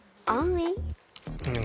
うん。